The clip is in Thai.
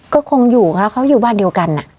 ก็คงอยู่ค่ะเขาอยู่บ้านเดียวกัน